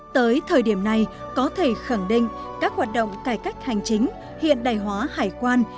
tới thời điểm này có thể khẳng định các hoạt động cải cách hành chính hiện đại hóa hải quan